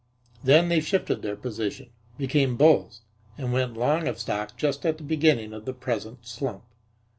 Then they shifted their position, became bulls and went long of stock just at the beginning of the present slump.